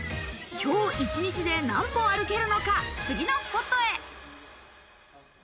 今日一日で何歩、歩けるのか次のスポットへ。